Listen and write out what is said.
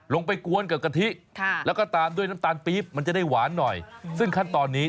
ลงไปกวนกับกะทิแล้วก็ตามด้วยน้ำตาลปี๊บมันจะได้หวานหน่อยซึ่งขั้นตอนนี้